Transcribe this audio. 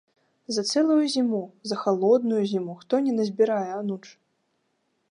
За цэлую зіму, за халодную зіму, хто не назбірае ануч?